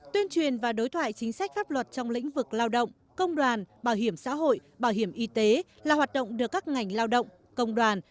tuyên truyền và đối thoại chính sách pháp luật trong lĩnh vực lao động công đoàn bảo hiểm xã hội bảo hiểm y tế là hoạt động được các ngành lao động công đoàn